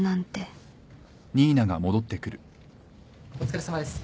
お疲れさまです。